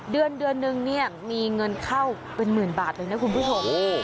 เดือนนึงมีเงินเข้าเป็นหมื่นบาทเลยนะคุณผู้ชม